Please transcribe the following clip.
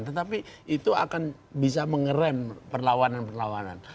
tetapi itu akan bisa mengeram perlawanan perlawanan